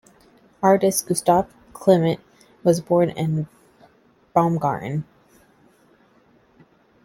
Artist Gustav Klimt was born in Baumgarten.